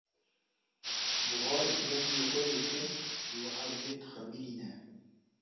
Buhar bi rengê xwe yê kesk, rûerdê dixemilîne.